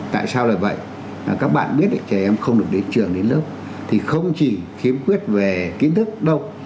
tại sao lại vậy các bạn biết trẻ em không được đến trường đến lớp thì không chỉ khiếm khuyết về kiến thức đâu